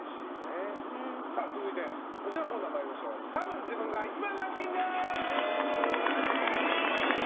続いて、こちらのコーナーたぶん自分が１番ランキング！